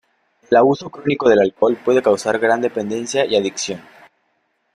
El abuso crónico del alcohol puede causar gran dependencia y adicción.